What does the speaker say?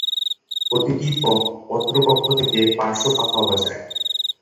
প্রতিটি পত্রকক্ষ থেকে পার্শ্বশাখা গজায়।